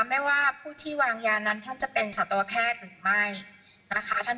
ไม่ว่าผู้ที่วางยานั้นท่านจะเป็นสัตวแพทย์หรือไม่นะคะ